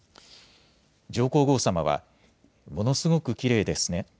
上皇后さまは、ものすごくきれいですね。